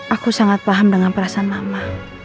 aku sangat paham dengan perasaan lama